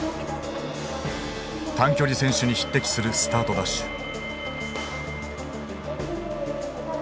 短距離選手に匹敵するスタートダッシュ。